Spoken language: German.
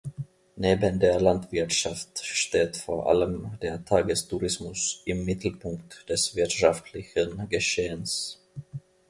Neben der Landwirtschaft steht vor allem der Tagestourismus im Mittelpunkt des wirtschaftlichen Geschehens.